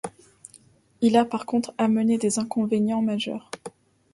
Il a par contre amené des inconvénients majeurs.